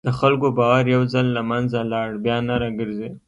د خلکو باور یو ځل له منځه لاړ، بیا نه راګرځي.